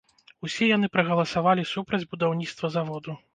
Усе яны прагаласавалі супраць будаўніцтва заводу.